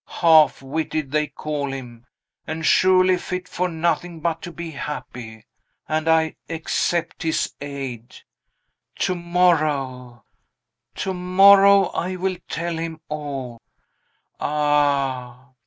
Half witted, they call him; and surely fit for nothing but to be happy. And I accept his aid! To morrow, to morrow, I will tell him all! Ah!